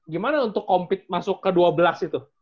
gimana untuk compete masuk ke dua belas itu